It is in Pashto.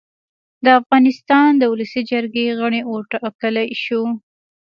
د افغانستان د اولسي جرګې غړی اوټاکلی شو